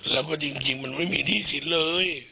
แล้วก็จริงมันไม่มีหนี้สินเลย